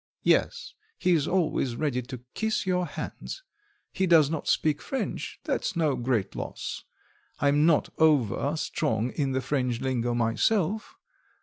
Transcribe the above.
"Yes, he is always ready to kiss your hands. He does not speak French that's no great loss. I am not over strong in the French lingo myself.